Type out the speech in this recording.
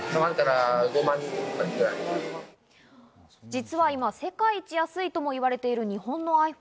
実は今、世界一安いとも言われている日本のｉＰｈｏｎｅ。